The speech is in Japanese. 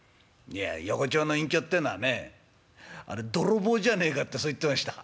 「いや横町の隠居ってのはねあれ泥棒じゃねえかってそう言ってました」。